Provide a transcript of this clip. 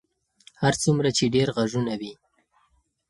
هر څومره چې ډېر غږونه وي.